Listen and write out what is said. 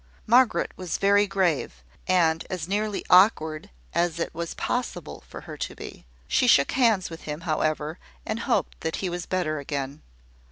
Margaret was very grave, and as nearly awkward as it was possible for her to be. She shook hands with him, however, and hoped that he was better again.